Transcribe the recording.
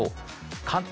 関東